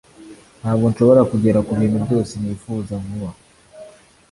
Ntabwo nshobora kugera kubintu byose nifuza vuba.